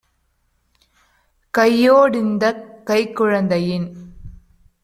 "கையோ டிந்தக் கைக் குழந்தையின்